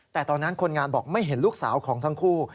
แต่ตอนนั้นคนงานบอกไม่เห็นลูกสาวของทั้งคู่